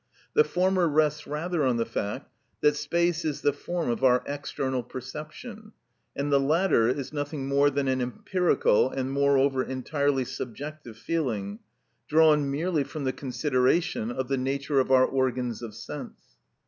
The former rests rather on the fact that space is the form of our external perception, and the latter is nothing more than an empirical, and, moreover, entirely subjective feeling, drawn merely from the consideration of the nature of our organs of sense.